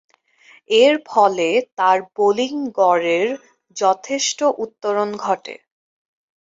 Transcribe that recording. এরফলে তার বোলিং গড়ের যথেষ্ট উত্তরণ ঘটে।